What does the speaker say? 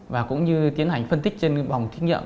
và cũng như tiến hành phân tích trên bòng thí nghiệm